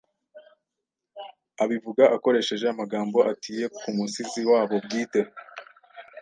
abivuga akoresheje amagambo atiye ku musizi wabo bwite